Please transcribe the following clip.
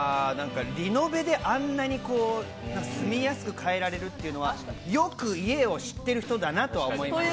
リノベであれだけ住みやすく変えられるっていうのはよく家を知ってる人だなと思います。